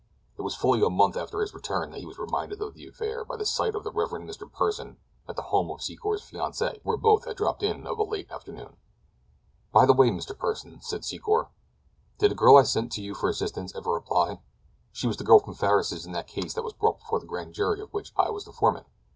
It was fully a month after his return that he was reminded of the affair by the sight of the Rev. Mr. Pursen at the home of Secor's fiancée where both had dropped in of a late afternoon. "By the way, Mr. Pursen," said Secor, "did a girl I sent to you for assistance ever apply? She was the girl from Farris's in that case that was brought before the grand jury of which I was foreman."